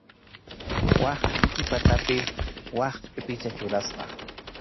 Huk qʼipi patapi wak qʼipicha churasqa.